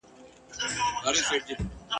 آیا ځیني سپین ږیري ملاله نورزۍ بولي؟